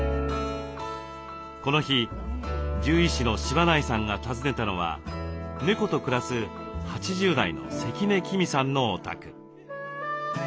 この日獣医師の柴内さんが訪ねたのは猫と暮らす８０代の関根喜美さんのお宅。